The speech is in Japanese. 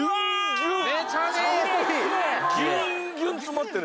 ギュンギュン詰まってる。